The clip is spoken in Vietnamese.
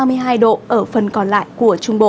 ở phần còn lại của trung bộ